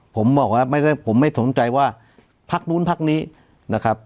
ผมไม่สนใจว่าพักนู้นพักนี้นะครับ